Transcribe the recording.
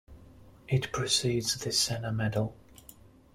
It precedes the Sena Medal.